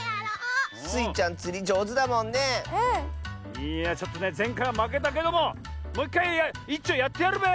いやちょっとねぜんかいはまけたけどももういっかいいっちょやってやるべ！